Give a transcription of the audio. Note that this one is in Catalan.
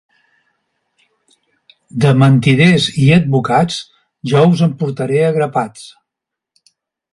De mentiders i advocats, jo us en portaré a grapats.